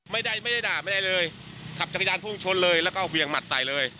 ไม่ได้ไม่ได้ด่าไม่ได้เลยขับจักรยานพุ่งชนเลยแล้วก็เวียงหมัดใส่เลย